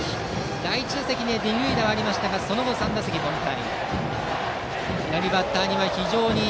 第１打席で二塁打はありましたがその後、３打席凡退。